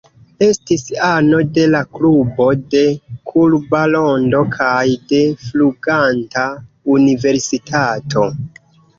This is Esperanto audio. Estis ano de la Klubo de Kurba Rondo kaj de Fluganta Universitato.